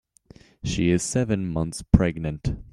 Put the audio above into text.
She is seven months pregnant.